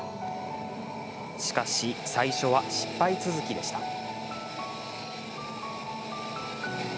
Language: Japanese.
しかし、最初は失敗続きでした。